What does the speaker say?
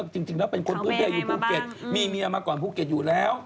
จริงแล้วเป็นคนอยู่ภูเกษมีเมียมาก่อนภูเกษอยู่แล้ว